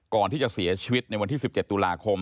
ก่อนที่จะเสียชีวิตในวันที่๑๗ตุลาคม